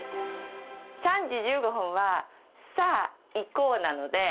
３時１５分は、さあ行こう！